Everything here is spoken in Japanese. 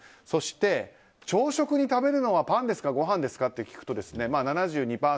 そして、朝食に食べるのはパンですかごはんですかと聞くと７２％。